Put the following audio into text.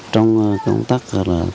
trong công tác